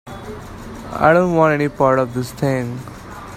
I don't want any part of this thing.